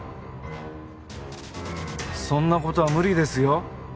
そんなことは無理ですよ